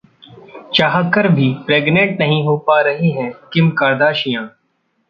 चाहकर भी प्रेग्नेंट नहीं हो पा रही हैं किम कार्दाशियां